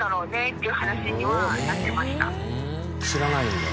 知らないんだ。